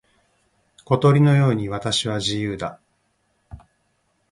小鳥のように私は自由だ。